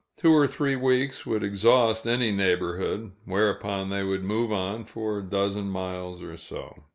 Two or three weeks would exhaust any neighborhood, whereupon they would move on for a dozen miles or so.